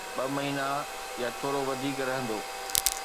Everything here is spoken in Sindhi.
ٻه مهينا يا ٿورو وڌيڪ رهندو.